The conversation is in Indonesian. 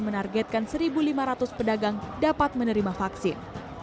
menargetkan satu lima ratus pedagang dapat menerima vaksin